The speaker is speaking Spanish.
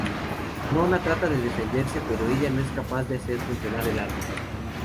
Nona trata de defenderse, pero ella no es capaz de hacer funcionar el arma.